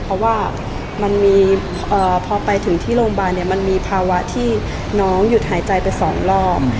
เพราะว่ามันมีพอไปถึงที่โรงพยาบาลเนี่ยมันมีภาวะที่น้องหยุดหายใจไปสองรอบ